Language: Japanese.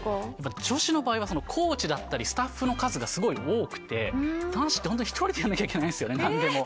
女子の場合はコーチだったり、スタッフの数が多くて、男子って本当に１人でやらなきゃいけないんですよね、何でも。